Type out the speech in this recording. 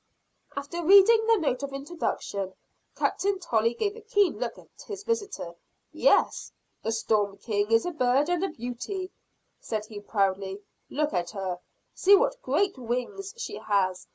After reading the note of introduction, Captain Tolley gave a keen look at his visitor. "Yes, the Storm King is a bird and a beauty," said he proudly. "Look at her! See what great wings she has!